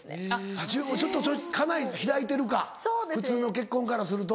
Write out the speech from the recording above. ちょっとかなり開いてるか普通の結婚からすると。